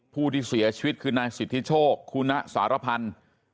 ผู้ที่เสียชีวิตคือนายสิทธิโชคคุณสารพันธ์